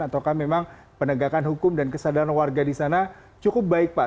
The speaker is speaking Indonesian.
ataukah memang penegakan hukum dan kesadaran warga di sana cukup baik pak